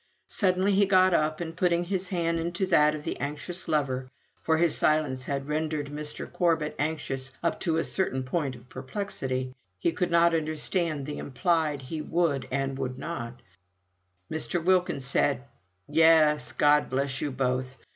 Suddenly he got up, and putting his hand into that of the anxious lover (for his silence had rendered Mr. Corbet anxious up to a certain point of perplexity he could not understand the implied he would and he would not), Mr. Wilkins said, "Yes! God bless you both!